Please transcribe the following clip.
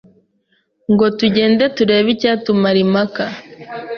Ngo tugende turebe icyatumara impaka.